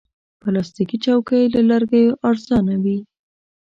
پلاستيکي چوکۍ له لرګیو ارزانه وي.